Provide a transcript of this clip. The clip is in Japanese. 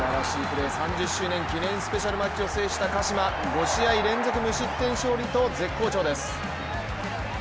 ３０周年記念スペシャルマッチを制した鹿島、５試合連続無失点勝利と絶好調です。